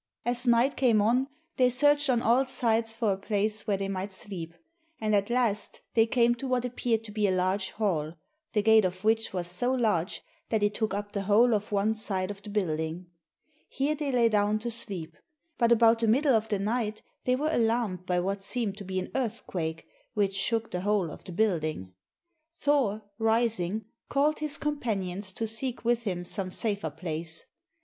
As night came on they searched on all sides for a place where they might sleep, and at last they came to what appeared to be a large hall, the gate of which was so large that it took up the whole of one side of the building. Here they lay down to sleep, but about the middle of the night they were alarmed by what seemed to be an earthquake which shook the whole of the building. Thor, rising, called his companions to seek with him some safer place.